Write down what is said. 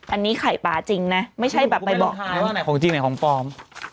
อันนี้ไข่ป่าจริงนะไม่ใช่แบบไปบอกใครว่าไหนของจริงไหนของปลอม